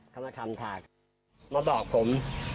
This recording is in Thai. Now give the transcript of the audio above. เขามาทำถากมาบอกผม